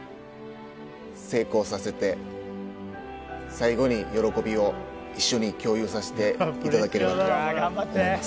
最後に喜びを一緒に共有させていただければと思います